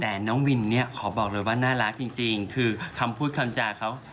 แต่น้องวินเนี่ยขอบอกเลยว่าน่ารักจริงคือคำพูดคำจาเขา